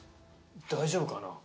大丈夫かな。